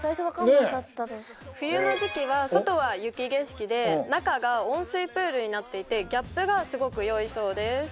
冬の時期は外は雪景色で中が温水プールになっていてギャップがすごくよいそうです